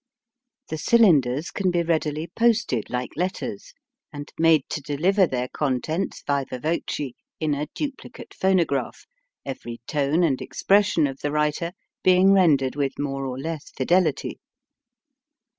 The cylinders can be readily posted like letters, and made to deliver their contents viva voce in a duplicate phonograph, every tone and expression of the writer being rendered with more or less fidelity.